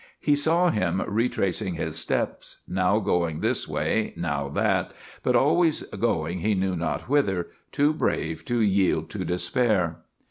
He saw him retracing his steps, now going this way, now that, but always going he knew not whither, too brave to yield to despair.